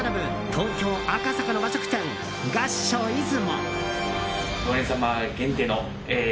東京・赤坂の和食店がっしょ出雲。